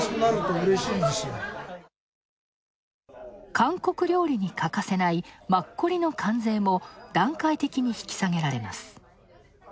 韓国料理に欠かせない、マッコリの関税も段階的に引き下げられます。